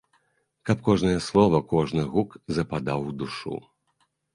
Каб кожнае слова, кожны гук западаў у душу.